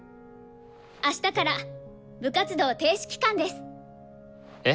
あしたから部活動停止期間です。え？